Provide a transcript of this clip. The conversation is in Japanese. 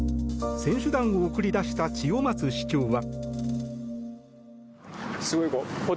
選手団を送り出した千代松市長は。